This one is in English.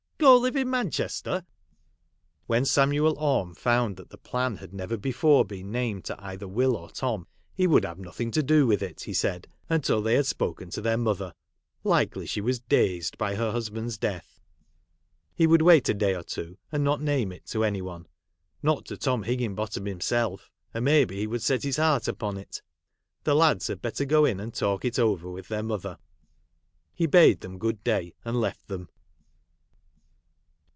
'Go live in Man chester !' When Samuel Orme found that the plan had never before been named to either Will or Tom, he would have nothing to do with it, he said, until they had spoken to their mother ; likely she was 'dazed' by her husband's death ; he would wait a day or two, and not name it to any one ; not to Tom Higginbotham him self, or may be he would set his heart upon it. The lads had better go in and talk it over with their mother. He bade them good day, and left them.